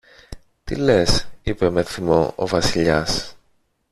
Τι λες; είπε με θυμό ο Βασιλιάς.